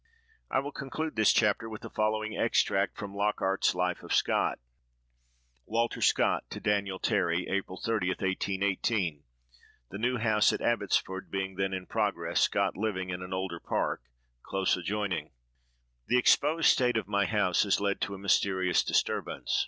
I will conclude this chapter with the following extract from "Lockhart's Life of Scott:"— "WALTER SCOTT to DANIEL TERRY, April 30, 1818. (The new house at Abbotsford being then in progress, SCOTT living in an older part, close adjoining.) "'.....The exposed state of my house has led to a mysterious disturbance.